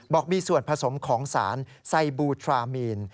บอกมีส่วนผสมของสารไซบูทรามีน